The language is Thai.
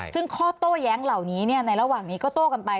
ซึ่งข้อโต้แย้งเหล่านี้ในระหว่างนี้ก็โต้กันไป